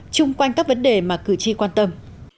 chung quanh các vấn đề mà cử tri quan tâm